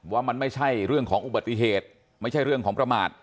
ว่ามันไม่ใช่เรื่องของอุบัติเหตุไม่ใช่เรื่องของประมาท